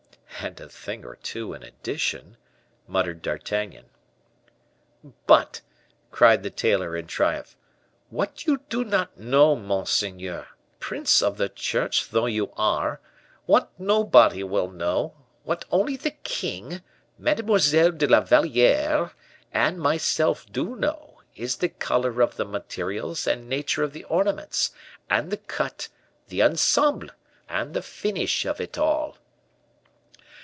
"And a thing or two in addition," muttered D'Artagnan. "But," cried the tailor, in triumph, "what you do not know, monseigneur prince of the church though you are what nobody will know what only the king, Mademoiselle de la Valliere, and myself do know, is the color of the materials and nature of the ornaments, and the cut, the ensemble, the finish of it all!"